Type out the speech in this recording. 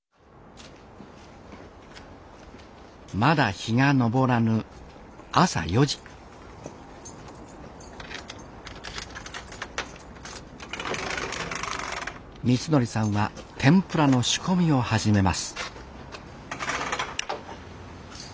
まだ日が昇らぬ朝４時光則さんは天ぷらの仕込みを始めます